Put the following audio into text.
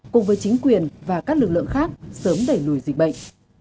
cùng với chính quyền và các lực lượng khác sớm đẩy lùi dịch bệnh